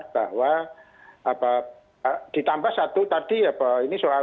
bahwa ditambah satu tadi ya bahwa ini soal